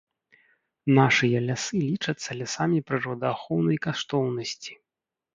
Нашыя лясы лічацца лясамі прыродаахоўнай каштоўнасці.